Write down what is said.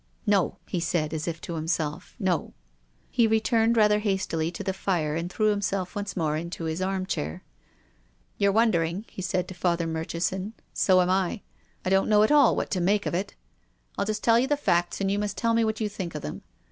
" No," he said, as if to himself, " no." He returned rather hastily to the fire and threw himself once more into his armchair. "You're wondering" he said to Father Mur chison. " So am I. I don't know at all what £0 PROP^ESSOR GUILDEA. 285 make of it. I'll just tell you the facts and you must tell me what you think of them.